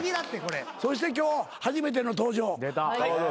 そして今日初めての登場。